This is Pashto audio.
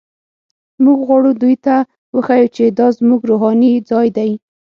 موږ غواړو دوی ته وښیو چې دا زموږ روحاني ځای دی.